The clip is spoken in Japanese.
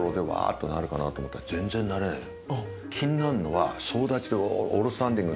っとなるかなと思ったら全然なれないの。